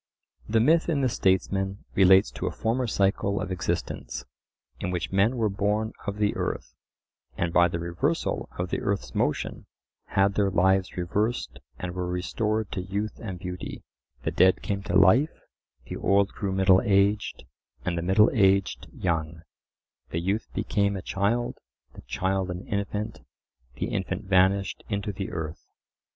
The myth in the Statesman relates to a former cycle of existence, in which men were born of the earth, and by the reversal of the earth's motion had their lives reversed and were restored to youth and beauty: the dead came to life, the old grew middle aged, and the middle aged young; the youth became a child, the child an infant, the infant vanished into the earth.